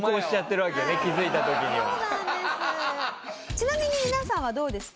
ちなみに皆さんはどうですか？